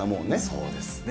そうですね。